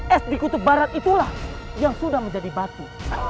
es di kutub barat itulah yang sudah menjadi batu